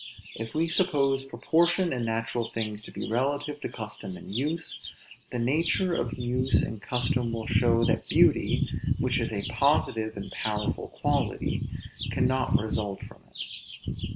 If we suppose proportion in natural things to be relative to custom and use, the nature of use and custom will show that beauty, which is a positive and powerful quality, cannot result from it.